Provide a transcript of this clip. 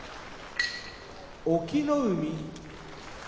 隠岐の海